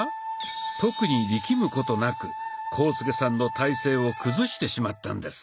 特に力むことなく浩介さんの体勢を崩してしまったんです。